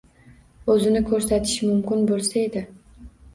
O‘zini ko‘rsatishi mumkin bo‘lsa edi.